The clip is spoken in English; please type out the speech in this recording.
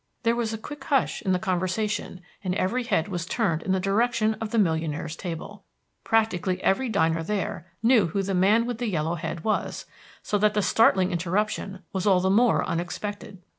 There was a quick hush in the conversation, and every head was turned in the direction of the millionaire's table. Practically every diner there knew who the man with the yellow head was, so that the startling interruption was all the more unexpected.